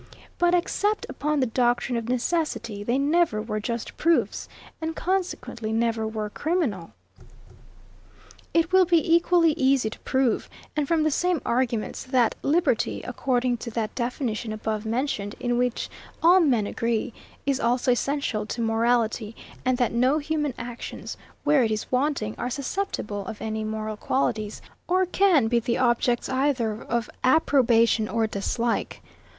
But, except upon the doctrine of necessity, they never were just proofs, and consequently never were criminal. 77. It will be equally easy to prove, and from the same arguments, that liberty, according to that definition above mentioned, in which all men agree, is also essential to morality, and that no human actions, where it is wanting, are susceptible of any moral qualities, or can be the objects either of approbation or dislike.